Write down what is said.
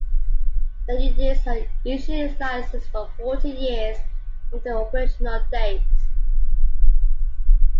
The units were initially licensed for forty years from their operational date.